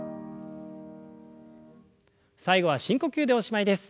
最後は深呼吸でおしまいです。